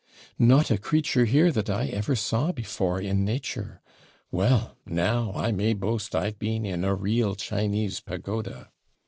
'Not a creature here that I ever saw before in nature! Well, now I may boast I've been in a real Chinese pagoda!'